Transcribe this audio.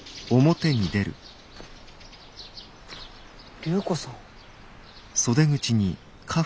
隆子さん。